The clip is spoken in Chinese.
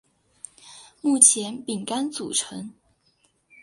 目前饼干组成。